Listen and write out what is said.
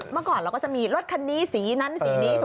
เมื่อก่อนเราก็จะมีรถคันนี้สีนั้นสีนี้